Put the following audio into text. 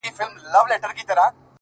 کور مي ورانېدی ورته کتله مي!